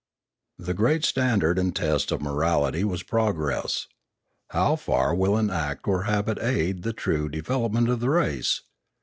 The great standard and test of morality was pro gress. How far will an act or habit aid the true de velopment of the race